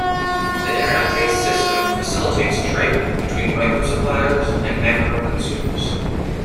The Internet-based system facilitates trade between micro-suppliers and macro-consumers.